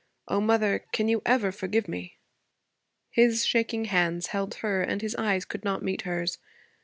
O mother, can you ever forgive me?' His shaking hands held her and his eyes could not meet hers.